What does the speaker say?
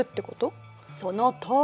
そのとおり。